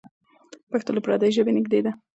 پښتو له پردۍ ژبې نږدې ده.